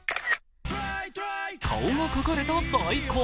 顔が描かれた大根。